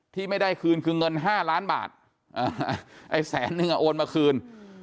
ที่ไม่ได้คืนคือเงิน๕ล้านบาทไอ้แสนนึงโอนมาคืน